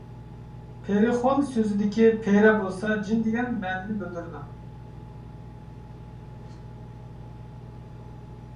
‹پېرىخون› سۆزىدىكى ‹پېرە› بولسا، ‹جىن› دېگەن مەنىنى بىلدۈرىدۇ.